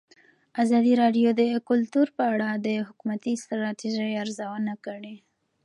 ازادي راډیو د کلتور په اړه د حکومتي ستراتیژۍ ارزونه کړې.